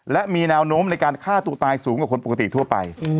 และมีแนวโน้มในการฆ่าตัวตายสูงกว่าคนปกติทั่วไป